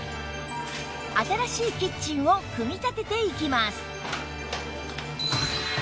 新しいキッチンを組み立てていきます